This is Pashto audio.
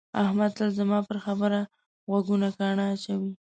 احمد تل زما پر خبره غوږونه ګاڼه اچوي.